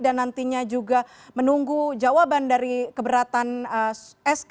dan nantinya juga menunggu jawaban dari keberatan sk